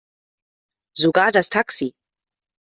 Sogar das Taxi.